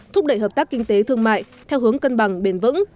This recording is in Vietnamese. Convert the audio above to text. thúc đẩy hợp tác kinh tế thương mại theo hướng cân bằng bền vững